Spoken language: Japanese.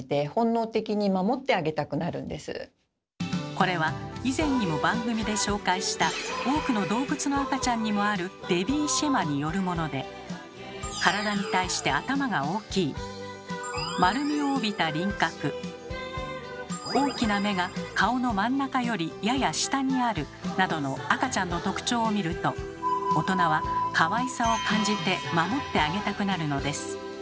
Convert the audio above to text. これは以前にも番組で紹介した多くの動物の赤ちゃんにもある「ベビーシェマ」によるもので。などの赤ちゃんの特徴を見ると大人はかわいさを感じて守ってあげたくなるのです。